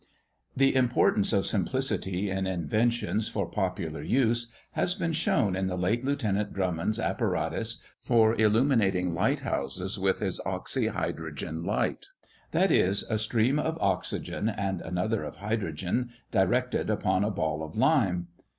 The importance of simplicity in inventions for popular use, has been shown in the late Lieutenant Drummond's apparatus for illuminating lighthouses with his oxyhydrogen light; that is, a stream of oxygen and another of hydrogen, directed upon a ball of lime.